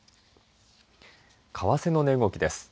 為替の値動きです。